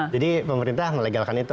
jadi pemerintah melegalkan itu